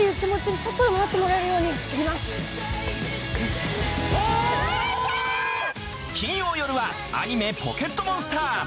次回金曜よるはアニメ『ポケットモンスター』。